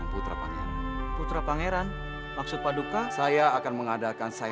atas siapa perempuan itu sebenarnya